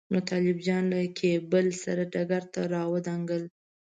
نو طالب جان له کېبل سره ډګر ته راودانګل.